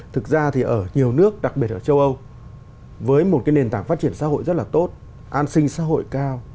thực ra thì ở nhiều nước đặc biệt là châu âu với một cái nền tảng phát triển xã hội rất là tốt an sinh xã hội cao